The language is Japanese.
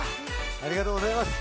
ありがとうございます。